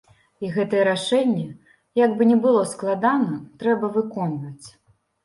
І гэтыя рашэнні, як бы ні было складана, трэба выконваць.